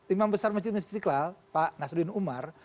imam besar masjid istiqlal pak nasruddin umar